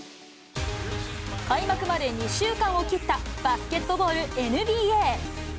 開幕まで２週間を切ったバスケットボールＮＢＡ。